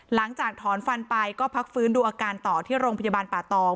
หลังจากถอนฟันไปก็พักฟื้นดูอาการต่อที่โรงพยาบาลป่าตอง